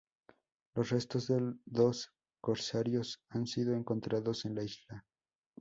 Los restos de dos corsarios han sido encontrados en la isla.